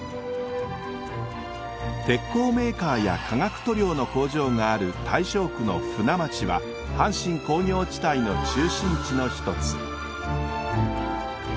鉄鋼メーカーや化学塗料の工場がある大正区の船町は阪神工業地帯の中心地のひとつ。